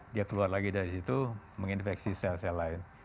dia keluar lagi dari situ menginfeksi sel sel lain